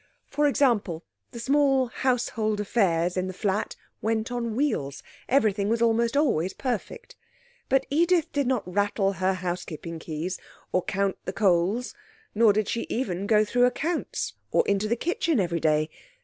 For example, the small household affairs in the flat went on wheels; everything was almost always perfect. But Edith did not rattle her housekeeping keys, or count the coals, nor did she even go through accounts, or into the kitchen every day.